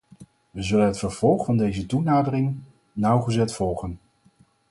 We zullen het vervolg van deze toenadering nauwgezet volgen.